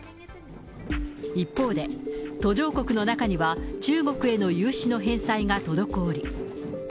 一方で、途上国の中には、中国への融資の返済が滞り。